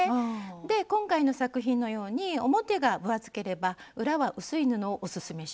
で今回の作品のように表が分厚ければ裏は薄い布をオススメします。